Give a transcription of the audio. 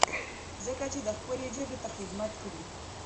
ځکه چې ده خپلې ژبې ته خدمت کړی.